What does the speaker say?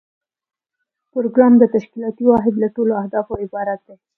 پروګرام د تشکیلاتي واحد له ټولو اهدافو عبارت دی.